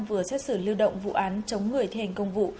vừa xét xử lưu động vụ án chống người thi hành công vụ